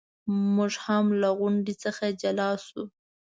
موږ هم له غونډې څخه جلا شو.